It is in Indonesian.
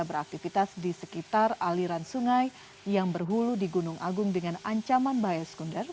beraktivitas di sekitar aliran sungai yang berhulu di gunung agung dengan ancaman bahaya sekunder